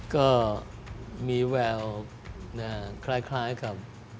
ก็มีแววคล้ายกับ